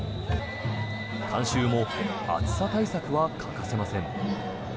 観衆も暑さ対策は欠かせません。